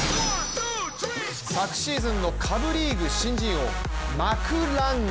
昨シーズンの下部リーグ新人王マクラング。